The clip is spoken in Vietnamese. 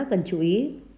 cần chú ý